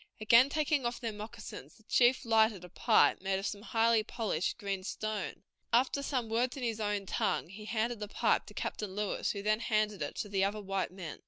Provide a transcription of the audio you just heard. Again taking off their moccasins, the chief lighted a pipe made of some highly polished green stone; after some words in his own tongue he handed the pipe to Captain Lewis, who then handed it to the other white men.